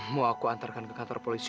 mau aku antarkan ke kantor polisi